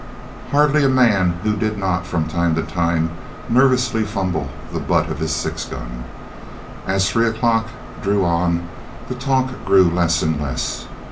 Hardly a man who did not, from time to time, nervously fumble the butt of his six gun. As three o'clock drew on the talk grew less and less.